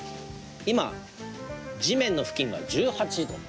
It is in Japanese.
今、地面の付近が１８度。